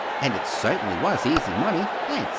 And it cer'nly was easy money. Thanks."